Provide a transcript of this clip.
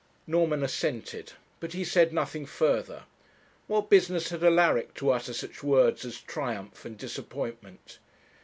Norman assented, but he said nothing further. What business had Alaric to utter such words as triumph and disappointment?